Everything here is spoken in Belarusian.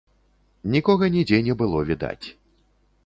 Нікога нідзе не было відаць.